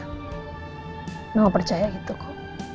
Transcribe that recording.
kamu percaya gitu kok